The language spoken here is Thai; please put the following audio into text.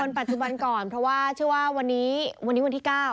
ปัจจุบันก่อนเพราะว่าเชื่อว่าวันนี้วันนี้วันที่๙